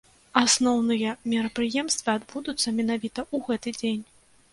Асноўныя мерапрыемствы адбудуцца менавіта ў гэты дзень.